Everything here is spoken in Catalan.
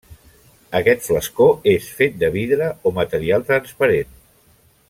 Aquest flascó és fet de vidre o material transparent.